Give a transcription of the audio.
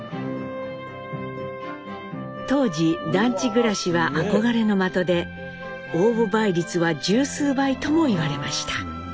当時団地暮らしは憧れの的で応募倍率は十数倍ともいわれました。